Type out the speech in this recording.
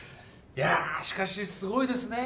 いやしかしすごいですね。